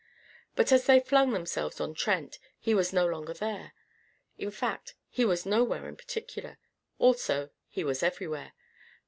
But as they flung themselves on Trent, he was no longer there. In fact, he was nowhere in particular. Also he was everywhere.